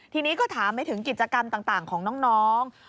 ทีนี้ก็ถามไปถึงกิจกรรมต่างของน้อง